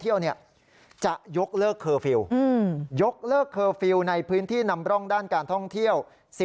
ยกเลิกเคอร์ฟิลในพื้นที่นำร่องด้านการท่องเที่ยว